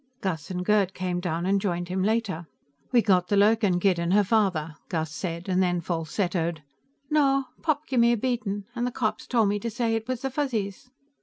Gus and Gerd came down and joined him later. "We got the Lurkin kid and her father," Gus said, and then falsettoed: "'Naw, Pop gimme a beatin', and the cops told me to say it was the Fuzzies.'"